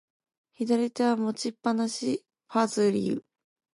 左手は持ちっぱなし、ファズリウ。